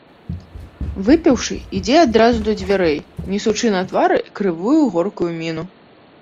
Выпіўшы, ідзе адразу да дзвярэй, несучы на твары крывую горкую міну.